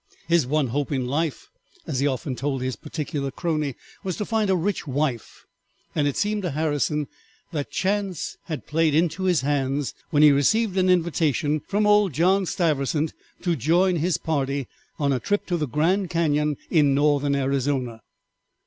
His one hope in life, as he often told his particular crony, was to find a rich wife, and it seemed to Harrison that chance had played into his hands when he received an invitation from old John Stiversant to join his party on a trip to the Grand Cañon in Northern Arizona.